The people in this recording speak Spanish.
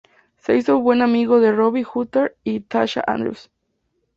Se hizo muy buen amigo de Robbie Hunter y Tasha Andrews.